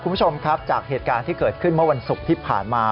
คุณผู้ชมครับจากเหตุการณ์ที่เกิดขึ้นเมื่อวันศุกร์ที่ผ่านมา